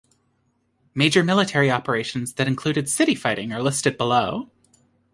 Major military operations that included city fighting are listed below.